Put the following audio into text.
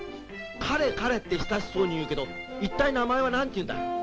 彼彼って親しそうに言うけど一体名前は何ていうんだい？